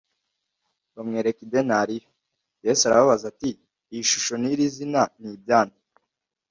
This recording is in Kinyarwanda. Bamwereka idenariyo. Yesu arababaza ati "iyi shusho n'iri zina ni ibya nde?"